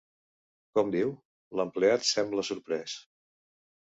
Com diu? –l'empleat sembla sorprès.